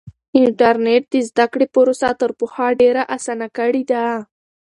انټرنیټ د زده کړې پروسه تر پخوا ډېره اسانه کړې ده.